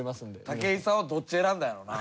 武井さんはどっち選んだんやろな？